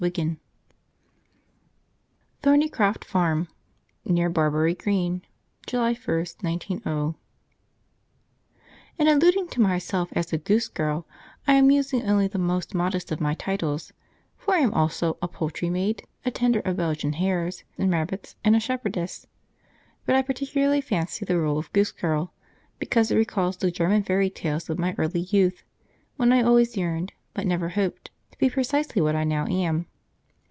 jpg} THORNYCROFT FARM, near Barbury Green, July 1, 190 . {Picture of woman and goose: p1b.jpg} In alluding to myself as a Goose Girl, I am using only the most modest of my titles; for I am also a poultry maid, a tender of Belgian hares and rabbits, and a shepherdess; but I particularly fancy the role of Goose Girl, because it recalls the German fairy tales of my early youth, when I always yearned, but never hoped, to be precisely what I now am.